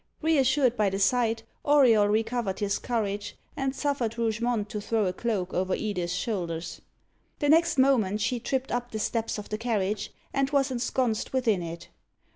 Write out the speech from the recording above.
Reassured by the sight, Auriol recovered his courage, and suffered Rougemont to throw a cloak over Edith's shoulders. The next moment she tripped up the steps of the carriage, and was ensconced within it.